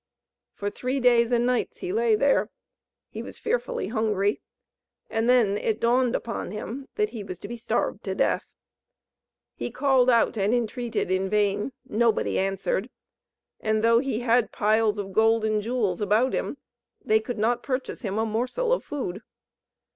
For three days and nights he lay there; he was fearfully hungry. And then it dawned upon him that he was to be starved to death! He called out, and entreated in vain; nobody answered, and though he had piles of gold and jewels about him, they could not purchase him a morsel of food.